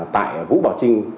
tại vũ bảo trinh